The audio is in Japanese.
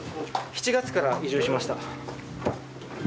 ７月から移住しました。